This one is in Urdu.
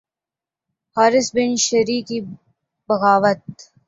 حارث بن شریح کی بغاوت